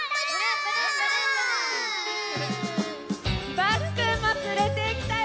・バスくんもつれてきたよ！